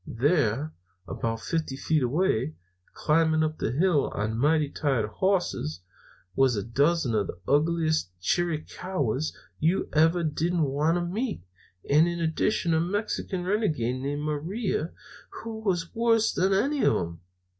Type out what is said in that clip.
There, about fifty feet away, climbing up the hill on mighty tired hosses, was a dozen of the ugliest Chiricahuas you ever don't want to meet, and in addition a Mexican renegade named Maria, who was worse than any of 'em.